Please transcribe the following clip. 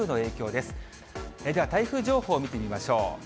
では、台風情報を見てみましょう。